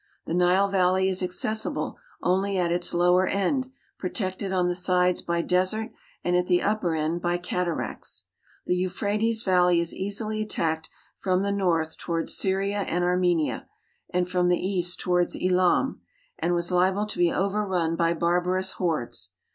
The Nile valley is accessible only at its lower end, protected on the sides by desert and at the upper end by cataracts. The Euphrates valley is easily attacked from the north to wards Syria and Armenia, and from the east towards Elam, and was liable to be overrun by barbarous hordes.